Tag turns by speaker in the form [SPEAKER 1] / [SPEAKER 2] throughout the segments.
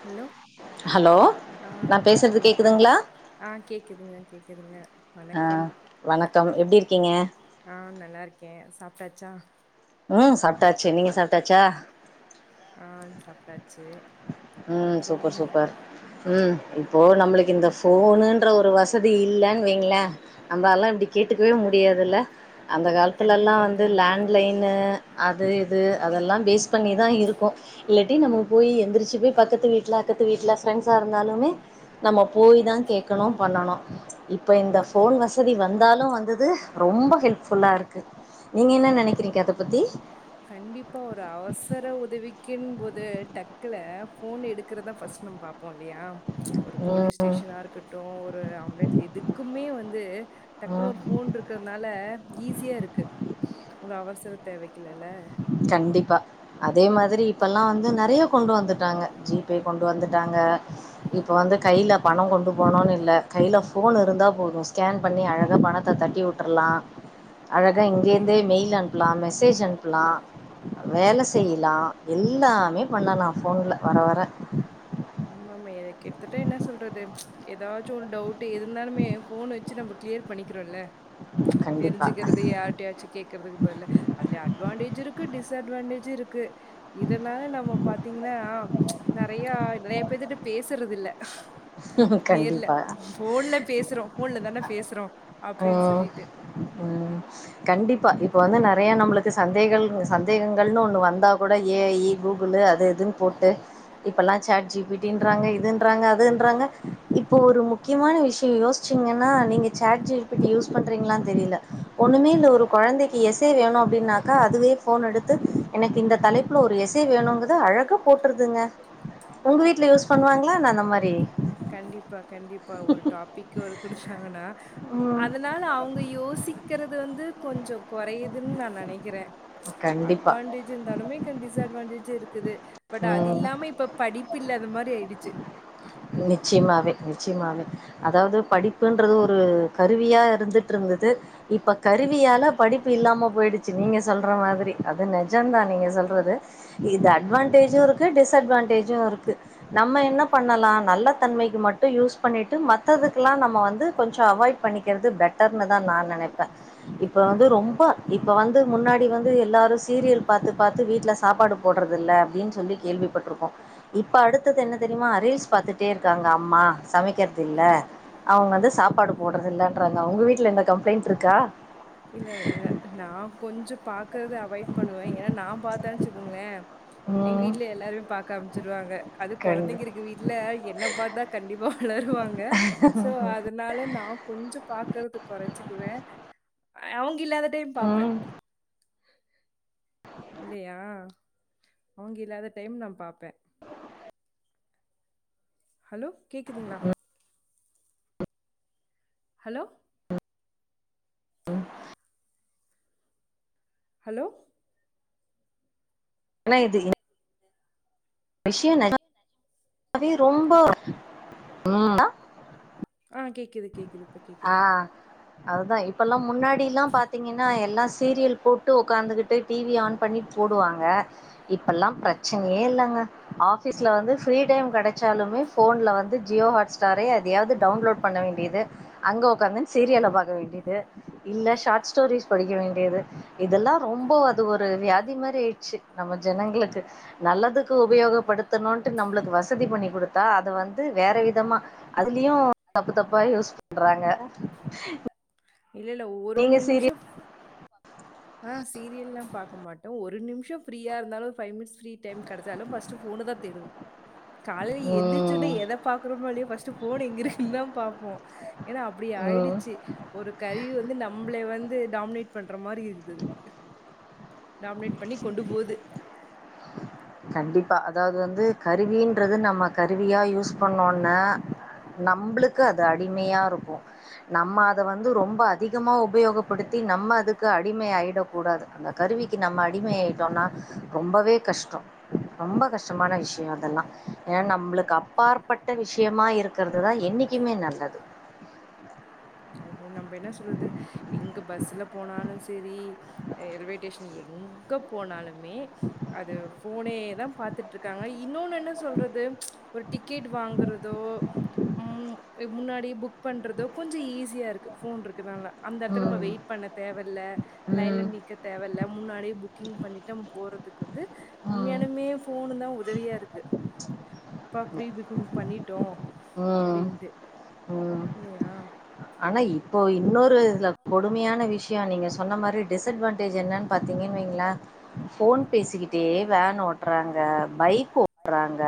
[SPEAKER 1] Hello
[SPEAKER 2] hello நா
[SPEAKER 1] ஆஹ்
[SPEAKER 2] பேசுறது
[SPEAKER 1] வணக்கம்
[SPEAKER 2] கேக்குதுங்களா
[SPEAKER 1] ஆஹ் கேக்குதுங்க கேக்குதுங்க
[SPEAKER 2] ஆ
[SPEAKER 1] வணக்கம்
[SPEAKER 2] வணக்கம் எப்டி இருக்கீங்க
[SPEAKER 1] ஆஹ் நல்லா இருக்கேன் சாப்பிட்டாச்சா
[SPEAKER 2] உம் சாப்பிட்டாச்சு நீங்க சாப்பிட்டாச்சா
[SPEAKER 1] ஆஹ் சாப்பிட்டாச்சு
[SPEAKER 2] ம்
[SPEAKER 1] அப்புறம்
[SPEAKER 2] சூப்பர் சூப்பர் ம் இப்போ நம்மளுக்கு இந்த போனுன்ற ஒரு வச தி இல்லன்னு வைங்களேன் நம்மல்லாம் இப்டி கேட்டுக்கவே முடியாதுல்ல அந்த காலத்துலலாம்
[SPEAKER 1] கண்டிப்பா
[SPEAKER 2] வந்து
[SPEAKER 1] கண்டிப்பா
[SPEAKER 2] லேண்ட்லைன் அது இது அதெல்லாம் பேஸ் பண்ணிதான் இருக்கும் இல்லாட்டி நம்ப போய் எந்திரிச்சு போய் பக்கத்து வீட்டு பக்கத்து வீட்டுல ஃப்ரெண்ட்ஸா இருந்தாலுமே நம்ம போய தான் கேட்கணும் பண்ணனும் இப்ப இந்த போன் வசதி வந்தாலும் வந்தது ரொம்ப ஹெல்ப்ஃபுல்லா இருக்கு நீங்க என்ன நெனைக்கிறீங்க அத
[SPEAKER 1] கண்டிப்பா
[SPEAKER 2] பத்தி
[SPEAKER 1] கண்டிப்பா ஒரு அவசர உதவிக் கின்போது டக்குல ஃபோன் எடுக்கிறதுதான் ஃபஸ்ட் நம் பாப்போம் இல்லையா ஒரு போலீஸ்
[SPEAKER 2] ம்
[SPEAKER 1] ஸ்டேஷனா இருக்கட்டும் ஒரு ஆம்புலன்ஸ் எதுக்குமே வந்து டக்குனு
[SPEAKER 2] ம்
[SPEAKER 1] ஒரு போன் இருக்கிறதுனால ஈஸியா இருக்கு உங்க அவசர தேவைக் குலல்ல
[SPEAKER 2] கண்டிப்பா. அதே மாதிரி இப்பல்லாம் வந்து நெறைய கொண்டு வந்துட்டாங்க ஜி பே கொண்டு வந்துட்டாங்க இப்ப வந்து கை கையில பணம் கொண்டு போகணும்ன்னு இல்லை கையில் ஃபோன் இருந்தால் போதும் ஸ்கேன் பண்ணி அழகா பணத்தை தட்டி விட்டுருலாம் அழகா இங்கேருந்தே மெயில் அனுப்பலாம் மெசேஜ் அனுப்ப லாம் வேலை செய்யலாம் எல்லாமே பண்ணாம் நான் போன்ல வர வரேன்
[SPEAKER 1] ஆமா ஆமா எனக்கு எடுத்துட்ட என்ன சொல்றது ஏதாச்சும் ஒரு டவுட் இரு இருந்தாலுமே போன் வச்சு நம்ம கிளியர் பண்ணிக்கிறோம்ல
[SPEAKER 2] [unintelligible]
[SPEAKER 1] தெரிஞ்சுக்கிறது யாரிட்டையாச்சும் கேக்குறதுக்கு பதல அதுல அட்வான்டேஜு இருக்கு டிஸ் அட்வான்டேஜு இருக் கு இதனால நம்ம பாத்தீங்கன்னா நெறைய [unintelligible] பேசுறது இல்ல நேர்ல
[SPEAKER 2] கண்டிப்பா.
[SPEAKER 1] போன்ல பேசுறோம் போன்ல தானே பேசுறோம் அப்படின்னு
[SPEAKER 2] ம்
[SPEAKER 1] சொல்லிட்டு
[SPEAKER 2] ம் கண்டிப்பா இ இப்போ வந்து நறையா நம்மளுக்கு சந்தேகள் சந்தேகங்கள்னு ஒன்று வந்தா கூட ஏ ஐ கூகுளு அது எதுன்னு போட் டு இப்பெல்லா சாட் ஜி பி டின்றாங்க இதுன்றாங்க அதுன் றாங்க இப்போ ஒரு முக்கியமான விஷய யோச்சிங்கன்னா நீங்க chat G P T use பண்றீங்களான் தெரி யில ஒண்ணுமே இல்ல ஒரு கொழந்தைக்கு எச்செ வேணு அப்டின்னாக்கா அதுவே ஃபோன் எடுத்து எனக்கு இந்த தலைப்புல் ஒரு எச்செ வேணுங்குது அ அழகா போட்றுதுங்க உங்க வீட்ல யூஸ் பண்ணுவாங்களா என்ன அந்த மாரி
[SPEAKER 1] அ கண்டிப்பா கண்டிப்பா ஒரு டாபிக்கு ஒரு குடுத்தாங்கன்னா
[SPEAKER 2] ம்
[SPEAKER 1] அதனால அவங்க யோசிக் கறது வந்து கொஞ்ச கொறையுதுன்னு நா நனைக்கிறே
[SPEAKER 2] கண்டிப்பா
[SPEAKER 1] அட்வான்டேஜ் இருந்தாலுமே குன் டிஸ் அட்வான்டேஜ் இருக்குது பட் அது
[SPEAKER 2] ம்
[SPEAKER 1] இல்லாம இப்ப படி பில்லாத மாரி ஆயிடுச்சு
[SPEAKER 2] நிச்சயமாவே நிச்சயமாவே அதாவது படிப்புன்றது ஒரு கருவியா இருந்துட்டு இரு ந்தது இப்ப கருவியால படிப்பு இல்லாம போயிடுச்சு நீங்க சொல்ற மாதிரி அது நிஜொதா நீங் க சொல்றது இது அட்வான்டேஜு இருக்கு டிஸ் அட்வான்டேஜு இருக்கு நம்ம என்ன பண்ணலா நல்ல தன்மைக்கு மட்டு யூஸ் பண்ணிட்டு மத்ததுக்குலா நம்ம வந்து கொஞ்ச அவாய்ட் பண்ணிக்கறது பெட்டர்னு தா நா நா நெனைப்பே இப்ப வந்து ரொம்ப இப்ப வந்து முன்னாடி வந்து எல்லாரு சீரியல் பாத்து பாத்து வீ வீட்ல சாப்பாடு போடுறதில்ல அப்டின்னு சொல்லி கேள்விப்பட்ருக்கோ இப்ப அடுத்தது என்ன தெரியுமா ரீல்ஸ் பாத்துட் டே இருக்காங்க அம்மா சமைக்கிறதுல்ல அவங்க வந்து சாப்பாடு போடுறது இல்லன்றது உங்க வீட்டுல எந்த கம்ப்ளைண்ட் இருக்கா
[SPEAKER 1] நா கொஞ்சொ பாக்கறது அவாய்ட் பண்ணுவே ஏன்னா நா பாத்தான்ச்சுக்கோங்களே எங்க
[SPEAKER 2] ம்
[SPEAKER 1] வீட்ல எல்லாருமே பாக்க அமிச்சுருவாங்க அது
[SPEAKER 2] கண்டி
[SPEAKER 1] கொழந்தைங்க இருக்க வீட்ல என்ன பாத்தா கண்டிப்பா வளருவாங்க சோ அதனால நா கொஞ்சொ பாக்கறது கொற ச்சுக்குவே
[SPEAKER 2] [inaudible]
[SPEAKER 1] ஆ அவங்க இல்லாத டைம் பாப்பே
[SPEAKER 2] ம்
[SPEAKER 1] இல்லையா அவங்க இல்லாத டைம் நா பாப்பே
[SPEAKER 2] [inaudible]
[SPEAKER 1] ஹலோ கேக்குதுங்களா ஹலோ
[SPEAKER 2] ம்
[SPEAKER 1] ஹலோ
[SPEAKER 2] என்ன இது இன் விஷய நா வே ரொம்ப ம் ஆ
[SPEAKER 1] ஆ கேக்குது கேக்குது இப்போ
[SPEAKER 2] ஆ
[SPEAKER 1] கேக்குது
[SPEAKER 2] அதுதா இப்பல்லா முன்னாடில்லா பாத்தீங்கன்னா எல்லாச் சீரியல் போட்டு உக்காந்துகிட்டு டிவி ஆன் பண்ணி போடுவாங்க இப்பெல்லா பிரச்சனையே இல்லங்க அ ஆஃபீஸ்ல வந்து ஃப்ரீ டைம் கெடைச்சாலுமே ஃபோன்ல வந்து ஜியோ ஹாட்ஸ்டாரு எதையாவது டவுன்லோட் பண்ண வேண்டியது அங்க உக்காந்துன் சீரியல பாக்க வேண்டியது இல்ல ஷார்ட் ஸ்டோரிஸ் படிக்க வேண்டியது இதெல்லா ரொம் போ அது ஒரு வியாதி மாரி ஆயிடுச்சு நம்ம ஜனங்களுக்கு நல்லதுக்கு உபயோக படுத்தணுன்ட்டு நம்பளுக்கு வ சதி பண்ணி கொடுத்தா அத வந்து வேற விதமா அதுலயு தப்பு தப்பா யுஸ் பண்றாங்க
[SPEAKER 1] இல்ல இல்ல ஒவ்வொரு
[SPEAKER 2] நீங்க சீரிய
[SPEAKER 1] நிமிஷொ ஆ சீரியல்லா பாக்க மாட்ட ஒரு நிமிஷ ஃப்ரீா இருந்தாலு ஃபை மினிட்ஸ் ஃப்ரீ டைம் கடைச்சாலு ஃபர்ஸ்ட் ஃபோன் தா தேடுவோ காலைல எந்திரச்சுன்னே
[SPEAKER 2] ம்
[SPEAKER 1] எத பாக்கறோமோ இல்லையோ ஃபர்ஸ்ட் ஃபோன் எங்கிருக்குன் தா பாப்போ ஏன்னா அப்டி
[SPEAKER 2] ம்
[SPEAKER 1] ஆயிடுச்சு ஒரு கருவி வந்து நம்பள வந்து டாமினேட் பண்ற மாரி இருக்குதது டாமினேட் பண்ணி கொண்டு போது
[SPEAKER 2] கண்டிப்பா அதாவது வந்து கருவின்றது நம்ம கருவியா யூஸ் பண்ணோனே நம்ளுக்கு அது அடிமையா இருக்கு நம்ம அதை வந்து ரொம்ப அதிகமா உபயோகப்படுத்தி நம்ம அதுக்கு அடிமை ஆகிடக் கூடாது அந்த கரு விக்கு நம்ம அடிம ஆட்டோம்னா ரொம்பவே கஷ்டோ ரொம்ப கஷ்டமான விஷயம் அதெல்லா ஏன்னா நம்மளுக்கு அப்பாற்பட்ட விஷயமா இருக்கிறதுதா என்னைக்குமே நல்லது
[SPEAKER 1] அ நம்ம என்ன சொல்லறது எங் பஸ்ல போனாலு சரி ரயில்வே ஸ்டேஷன் எங்க போனாலு மே அது போனே தா பாத்துட்டு இருக்காங்க இன்னொன்னு என்ன சொல்றது ஒரு டிக்கெட் வாங்குறதோ ம் முன்னாடியே புக் பண்றதோ கொஞ்ச ஈஸியா இருக்கு போன் இருக்குனால அந்த இடத்துல நம்ம
[SPEAKER 2] ம்
[SPEAKER 1] வெயிட் பண்ண தேவயில்லை லைன்ல
[SPEAKER 2] ம்
[SPEAKER 1] நீக்க தேவையில்ல முன்னாடியே புக்கிங் பண்ணிட்ட நம்ம போறதுக்கு வந்து
[SPEAKER 2] ம்
[SPEAKER 1] உண்மையானுமே போனு தா உதவியா இருக்கு அப்பா பிரீபூக்குங் பண்ணிட்டோ
[SPEAKER 2] ம்
[SPEAKER 1] அப்படின்ட்டு
[SPEAKER 2] ம்
[SPEAKER 1] இல்லையா
[SPEAKER 2] ஆனா இப்போ இன்னொரு இதுல கொடுமையான விஷய நீங்க சொன்ன மாரி டிஸ்அட்வான்டேஜ் என்னன்னு பாத்தீங்க வங்களா போன் பேசிக்கிட்டே வேன் ஓட்டுறாங்க பைக் ஓட்டுறாங்க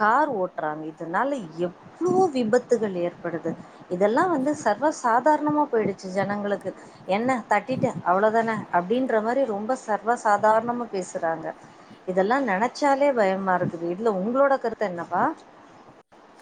[SPEAKER 2] கார் ஓட்டுறாங்க இதனால எவ்வளோ விபத்துகள் ஏற்படுது இதெல்லா வந்து சர்வசாத தாரணமா போயிடுச்சு ஜனங்களுக்கு என்ன தட்டிட்டு அவ்வளவுதானே அப்படின்ற மாரி ரொம்ப சர்வாச சாதாரணமா பேசுறாங்க இதெல்லா நினைச்சாலே பயமா இருக்குது இதுல உங்களோட கருத்து என்னப்பா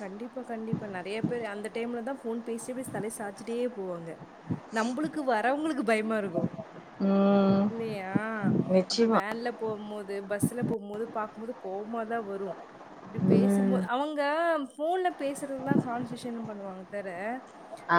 [SPEAKER 1] கண்டிப்பா கண்டிப்பா நிறைய பேர் அந்த டைம்ல தான் போன் பேசி அப்படி தலை சாச்சுட்டே போவாங்க நம்மளுக்கு வரவங்களுக்கு பயமா இருக்கு
[SPEAKER 2] ம்,
[SPEAKER 1] இல்லையா அப்புற
[SPEAKER 2] நிச்சயமா
[SPEAKER 1] வேன்ல போகும் போது பஸ்ல போகும் போது பாக்கும்போது கோமாதான் வரும் இப்படி
[SPEAKER 2] ம்,
[SPEAKER 1] பேசும்போது அவங்க போன்ல பேசுறதுதா கான்சென்ரேஷன் பண்ணுவாங்க தவற
[SPEAKER 2] ஆ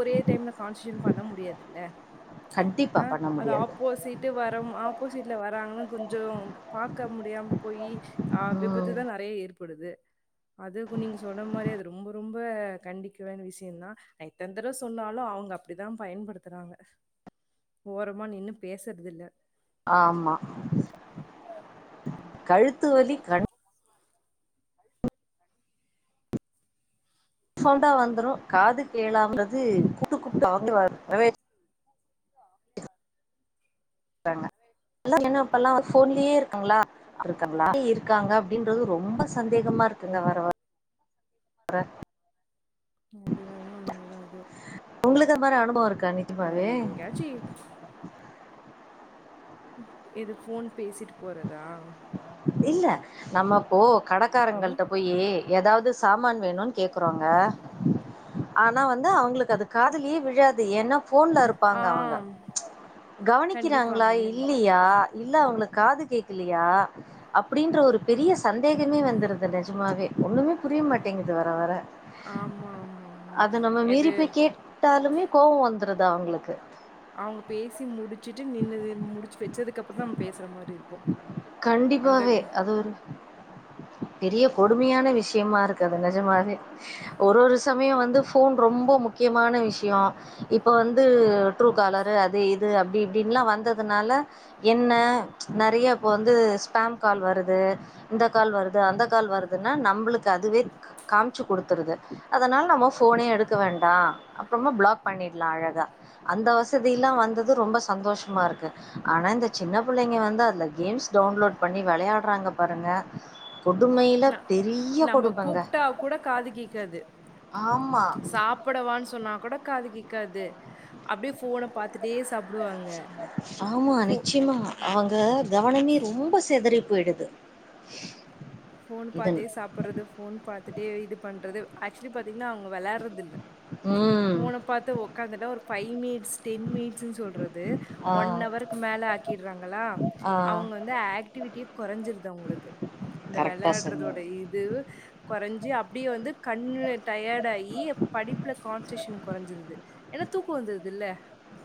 [SPEAKER 1] ஒரே டைம்ல கான்சன்டே பண்ண முடியாதுல
[SPEAKER 2] கட்டி
[SPEAKER 1] அ அது ஆப்போசிட் வரும் ஆப்போசிட்ல வராங்கன்னு கொஞ்ச பாக்க முடியாம போய் ஆ
[SPEAKER 2] ம்
[SPEAKER 1] விபத்துதா நிறைய இருக்கு டுது அதுக்கு நீங்க சொன்ன மாதிரி அது ரொம்ப ரொம்ப கண்டிக்க வேண்ட விஷய தா எத்தனை தடவ சொன்னாலு அவங்க அப்படிதா பயன்படுத்துறாங்க ஓரமா நீன்னு பேசுறது இல்ல
[SPEAKER 2] ஆமாம் கழுத்து வலி கண் சொல்டா வந்துரு காது கேளாம்றது கூட்டு குப்பிட்டா வந்து இப்ப எல்லா போன்லயே இருக்கங்களா இருக்கங்களா இருக்காங்க அப்படின்னு ரொம்ப சந்தேகமா இருக்குங்க வரவற
[SPEAKER 1] அது வேனா உண்மைதா அது
[SPEAKER 2] உங்களுக்கு அந்த மாரி அனுபவ இருக்கா
[SPEAKER 1] அ
[SPEAKER 2] நீசமவே
[SPEAKER 1] எங்கேயாச்சும் எது போன் பேசிட்டு போறதா
[SPEAKER 2] இல்ல நம்ம போ
[SPEAKER 1] ஹலோ?
[SPEAKER 2] கடக்காரங்களிட்ட போய்யி ஏதாவது சாமான் வேணும்ன்னு கேக்குறோங்க ஆனா வந்து அவங்களுக்கு அது காதலயே விழாது ஏன்னா போன்ல
[SPEAKER 1] ஆ.
[SPEAKER 2] இருப்பாங்க அவங்க
[SPEAKER 1] கண்டிப்பா,
[SPEAKER 2] கவனிக்கிறாங்களா
[SPEAKER 1] கண்டிப்பா.
[SPEAKER 2] இல்லையா இல்ல அவங்களுக்கு காது கேட்கலையா அப்படின்ற ஒரு பெரிய சந்தேகமே வந்துடுது நெஜமாவே ஒண்ணுமே புரிய
[SPEAKER 1] ம்.
[SPEAKER 2] மாட்டேங்குது வர வர
[SPEAKER 1] ஆமா, ஆமா, ஆமா.
[SPEAKER 2] அத நம்ம
[SPEAKER 1] எது
[SPEAKER 2] மீறிப்போய் கேட்டாலுமே கோபம் வந்துருதுா அவங்களுக்கு
[SPEAKER 1] அவங்க பேசி முடிச்சுட்டு நின்னது முடிச்சு வச்சதுக்கு அப்புறம் தா நம்ம பேசுற மாதிரி இருக்கு
[SPEAKER 2] கண்டிப்பாவே அது ஒரு பெரிய
[SPEAKER 1] ம்.
[SPEAKER 2] கொடுமையான விஷயமா இருக்கு அது நெஜமாவே ஒரு ஒரு சமய வந்து ஃபோன் ரொம்ப முக்கியமான விஷய இப்ப வந்து ட்ரூ காலரு அது இது அப்டி இப்டின்லா வந்ததுனால என்ன நறைய இப்ப வந்து ஸ்பேம் கால் வருது இந்த கால் வருது அந்த கால் வருதுன்னா நம்புளுக்கு அதுவே காம்ச்சு குடுத்துருது அதனால நம்ம ஃபோனே எடுக்க வேண்டா அப்றமா பிளாக் பண்ணிடலா அழகா அந்த வசதிலா வந்தது ரொம்ப சந்தோஷமாருக்கு ஆனா இந்த சின்ன பிள்ளைங்க வந்து அதுல கேம்ஸ் டவுன்லோட் பண்ணி வெளையாடுறாங்க பாருங்க
[SPEAKER 1] ந நம்ப கூப்ட்டா கூட காது கேக்காது
[SPEAKER 2] ஆமா
[SPEAKER 1] சாப்படவான் சொன்னா கோட காது கே க்காது அப்டியே ஃபோன பாத்துட்டே சாப்
[SPEAKER 2] ஆமா நிச்சயமா அவங்க கவனமே ரொம்ப செத றி போய்டுது
[SPEAKER 1] ஃபோன் பாத்தே சாப்படுறது ஃபோன் பாத்துட்டே இது பண்றது ஆக்சுவலி பாத் திங்னா அவங்க வெளாடறதில்ல
[SPEAKER 2] ம்
[SPEAKER 1] ஃபோன பாத்து ஒக்காந்துட்டா ஒரு ஃபைமி னிட்ஸ் டென் மினிட்ஸ்னு சொல்றது
[SPEAKER 2] ஆ
[SPEAKER 1] ஒன் அவருக்கு மேல ஆக்கிடுறாங்களா
[SPEAKER 2] ஆ
[SPEAKER 1] அவுங்க வந்து ஆக் டிவிட்டியு கொறஞ்சிருது அவுங்களுக்கு அந்த
[SPEAKER 2] கரெக்டா சொன்னீங்க
[SPEAKER 1] விளாடுறதோட இது கொறஞ்சு அப்டியே வந்து கண்ணு டயர்ட் ஆயி ப படிப்புல கான்ச்ஷேஷன் கொறஞ்சுருது ஏன தூக் க வந்ருது இல்ல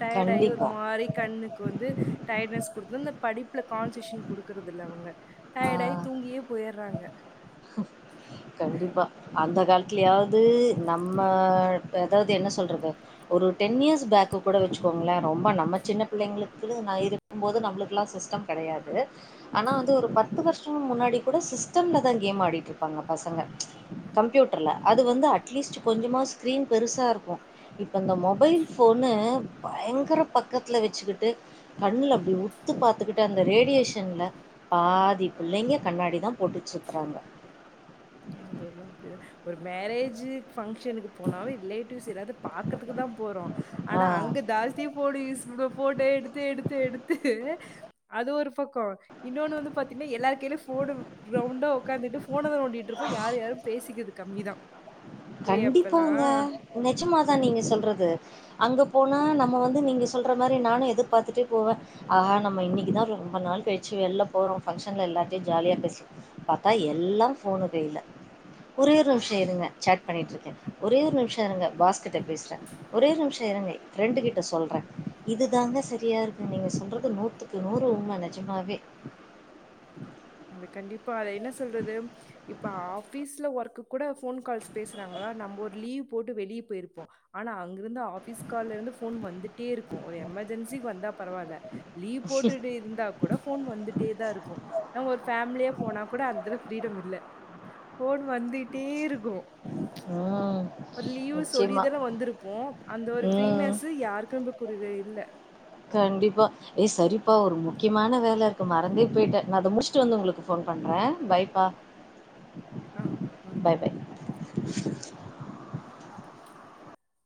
[SPEAKER 1] டயர்ட் ஆகி ஒரு
[SPEAKER 2] கண்டிப்பா
[SPEAKER 1] மாரி கண்ணுக்கு வந்து டயர்ட்னஸ் குடுத்து அந்த படிப் டிப்ல கான்சஷன் குடுக்குறதில்ல அவுங்க
[SPEAKER 2] ஆ,
[SPEAKER 1] டயர்டாயி தூங்கியே போயர்றாங்க
[SPEAKER 2] கண்டிப்பா அந்த காலத்துலயாவ்து நம்ம எதாவுது என்ன சொல்றது ஒரு டென் இயர்ஸ் பேக்கு கூட வச்சுக்கோங்களே ரொம்ப நம்ம சின்ன பிள்ளைங்களுக்கு நா இருக்கும் போது நம்முளுக்குலா சிஸ்டம் லா கெடையாது ஆனா வந்து ஒரு பத்து வருஷம் முன்னாடி கோட சிஸ்டம்லதா கேம் ஆடிட்ரு ப்பாங்க பசங்க கம்ப்யூட்டர்ல அது வந்து அட்லீஸ்ட் கொஞ்சமா ஸ்க்ரீன் பெருசா இருக்கு இப்ப இந்த மொபைல் ஃபோனு பயங்கர பக்கத்துல வச்சுகிட்டு கண்ல அப்டி உத்து பாத்துகிட்டு அந்த ரேடியேஷன்ல பாதி பிள்ளைங்க கண்ணாடிதா போட்டுட் சுத்தறாங்க
[SPEAKER 1] அது வேனா அப்டிதா ஒரு மேரேஜு பங்க்ஷனுக்கு போனாலு ரிலேட்டிவ்ஸ் எதாது பாக்றதுக்குதா போறோ
[SPEAKER 2] ஆ
[SPEAKER 1] ஆனா அங்க ஜாஸ்தி ஃபோன் யூஸ் அங்க ஃபோட்டோ எடுத்து எடுத்து எடுத்து அது ஒரு பக்க இன்னொனு வந்து பாத்தினா எல்லாரு கைலயு ஃபோனு ரவுண்டா உக்காந்துட்டு ஃபோனதா நோண்டிட்ருப்போ யாரு யாரு பேசிக்கிறது கம்மிதா
[SPEAKER 2] கண்டிப்பாங்க நெஜமாதா நீங்க சொல்றது அங்கே போனா நம்ம வந்து நீங்க சொல்ற மாரி நானு எதிர்பாத்துட்டே போவே ஆஹா நம்ம இன்னைக்குதா ரொம்ப நாள் கழிச்சி வெள்ல போறோ ஃபங்ஷன்ல எல்லாத்தையு ஜாலியா பேசலா பாத்தா எல்லா ஃபோனு கைல ஒரே ஒரு நிம்ஷ இருங்க பண்ணிட்ருக்கே ஒரே ஒரு நிம்ஷ இருங்க பாஸ்கிட்ட பேசுற ஒரே ஒரு நிம்ஷ இருங்க ஃப்ரெண்டு கிட்ட சொல்ற இது தாங்க சரியா இருக்கு நீங்க சொல்றது நூத்துக்கு நூறு உண்மங்க நெஜமாவே
[SPEAKER 1] அது கண்டிப்பா அத என்ன சொல்றது இப்ப ஆஃபீஸ்ல ஒர்க் கூட ஃபோன் கால்ஸ் பேசுறாங்ளா ஆனா நம்ப ஒரு லீவ் போட்டு வெளிய போயிருப்போ ஆனா அங்கிருந்து ஆஃபிஸ் கால்ல இருந்து ஃபோன் வந்துட்டே இருக்கு ஒரு எமர்ஜென்சிக் வந்தா பரவால லீவ் போட்டுட்டு இருந்தா கூட ஃபோன் வந்துட்டே தா இருக்கு நம்ம ஒரு ஃபேமிலியா போனா கூட அந்தள ஃப்ரீடம் இல்ல ஃபோன் வந்துகிட்டே இருக்கு
[SPEAKER 2] ஆ
[SPEAKER 1] ப்ற லீவு சொல்லிதான வந்துருப்போ அந்த ஒரு
[SPEAKER 2] ம்
[SPEAKER 1] ஃப்ரீனஸு யாருக்கு ம்ப குரிதாயு இல்ல
[SPEAKER 2] கண்டிப்பா ஏ சரிப்பா ஒரு முக்யமான வேல இருக்கு மறந்தே போய்ட்ட நா அத முடிச்ட்டு வந்து உங்ளுக்கு ஃபோன் பண்ற பை பா
[SPEAKER 1] அ அ
[SPEAKER 2] [inaudible]